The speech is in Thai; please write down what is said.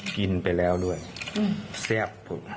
กินไปแล้วด้วยแซ่บสุด